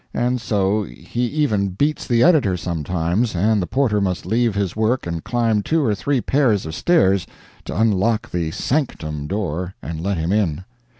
And so he even beats the editor sometimes, and the porter must leave his work and climb two or three pairs of stairs to unlock the "Sanctum" door and let him in.